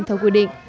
theo quy định